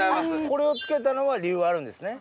これを着けたのは理由があるんですね？